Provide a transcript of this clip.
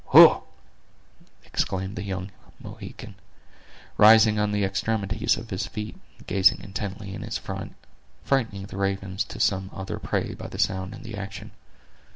"Hugh!" exclaimed the young Mohican, rising on the extremities of his feet, and gazing intently in his front, frightening the ravens to some other prey by the sound and the action.